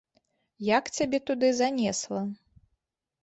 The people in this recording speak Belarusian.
Як цябе туды занесла?